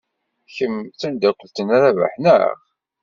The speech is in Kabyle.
Kemm d tameddakelt n Rabaḥ, naɣ?